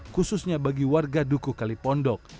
khususnya bagi warga duku kalipondok